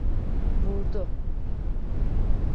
Vurdu!